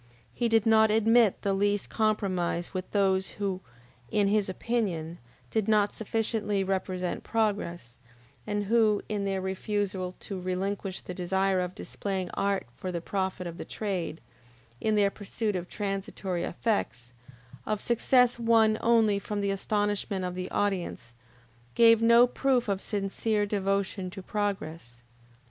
He did not admit the least compromise with those who, in his opinion, did not sufficiently represent progress, and who, in their refusal to relinquish the desire of displaying art for the profit of the trade, in their pursuit of transitory effects, of success won only from the astonishment of the audience, gave no proof of sincere devotion to progress.